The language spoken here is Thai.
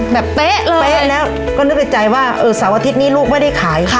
เป๊ะเลยเป๊ะแล้วก็นึกในใจว่าเสาร์อาทิตย์นี้ลูกไม่ได้ขาย